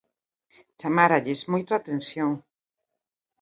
Chamáralles moito a atención.